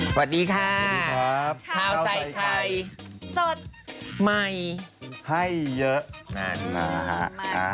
สวัสดีครับข้าวใส่ใครสดใหม่ให้เยอะ